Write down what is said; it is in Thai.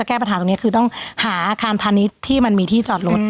อาคารพาณิชย์ที่มันมีที่จอดรถ